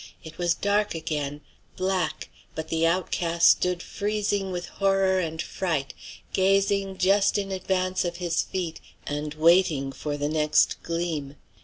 It was dark again, black; but the outcast stood freezing with horror and fright, gazing just in advance of his feet and waiting for the next gleam.